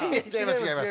違います